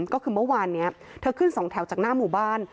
ก็คือเมื่อวานนี้เธอขึ้นสองแถวจากหน้าหมู่บ้าน